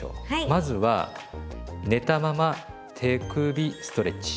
まずは寝たまま手首ストレッチ。